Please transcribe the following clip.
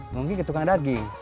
mungkin ke tukang daging